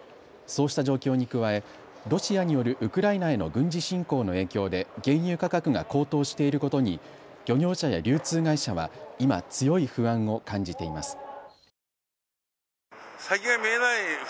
そうした状況に加えロシアによるウクライナへの軍事侵攻の影響で原油価格が高騰していることに漁業者や流通会社は今、強い不安を感じています。